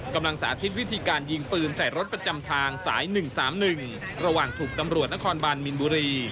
สาธิตวิธีการยิงปืนใส่รถประจำทางสาย๑๓๑ระหว่างถูกตำรวจนครบานมินบุรี